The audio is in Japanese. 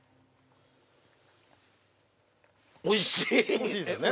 おいしいですよね？